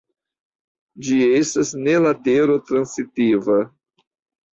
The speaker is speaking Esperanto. Ĝi estas ne latero-transitiva.